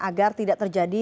agar tidak terjadi